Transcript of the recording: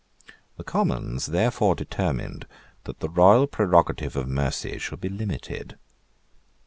The Commons therefore determined that the royal prerogative of mercy should be limited.